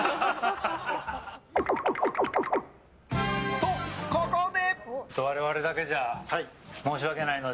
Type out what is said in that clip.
と、ここで。